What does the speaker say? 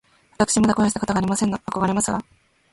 わたくしまだ恋をしたことがありませんの。あこがれますわ